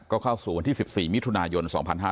ก็เข้าสู่วันที่๑๔มิถุนายน๒๕๕๙